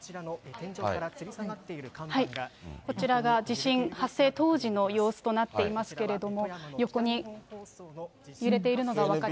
こちらが地震発生当時の様子となっていますけれども、横に揺れているのが分かります。